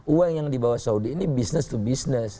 uang yang dibawa saudi ini business to business